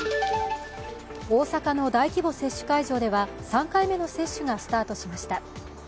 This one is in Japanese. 大阪の大規模接種会場では３回目の接種がスタートしました。